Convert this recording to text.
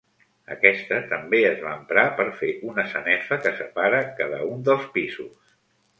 Aquesta també es va emprar per fer una sanefa que separa cada un dels pisos.